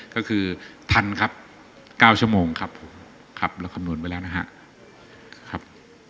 ก็คือทันครับ๙ชั่วโมงครับผมครับเราคำนวณไว้แล้วนะครับ